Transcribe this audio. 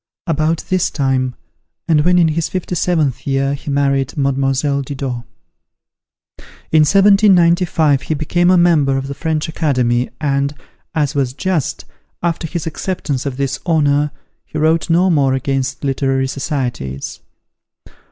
About this time, and when in his fifty seventh year, he married Mlle. Didot. In 1795, he became a member of the French Academy, and, as was just, after his acceptance of this honour, he wrote no more against literary societies.